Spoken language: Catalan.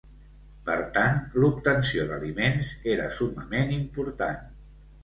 Per tant l'obtenció d'aliments era summament important.